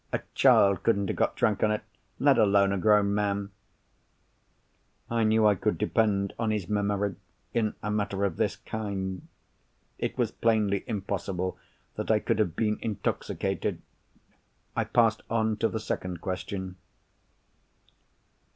A child couldn't have got drunk on it—let alone a grown man!" I knew I could depend on his memory, in a matter of this kind. It was plainly impossible that I could have been intoxicated. I passed on to the second question.